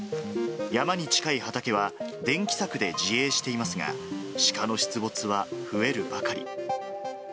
山に近い畑は、電気柵で自衛していますが、シカの出没は増えるばかり。